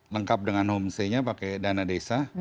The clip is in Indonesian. lengkap dengan homestay nya pakai dana desa